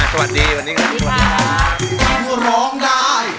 สวัสดีค่ะ